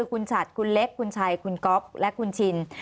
คุณฉัดคุณเล็กคุณชัยคุณก๊อฟและคุณชิน